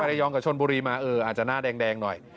ระยองกับชนบุรีมาเอออาจจะหน้าแดงหน่อย